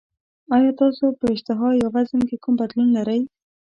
ایا تاسو په اشتها یا وزن کې کوم بدلون لرئ؟